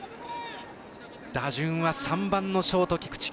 打順は３番のショート菊地。